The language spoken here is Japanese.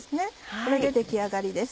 これで出来上がりです。